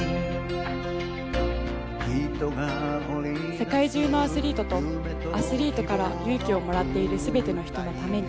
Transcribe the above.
世界中のアスリートとアスリートから勇気をもらっている全ての人のために。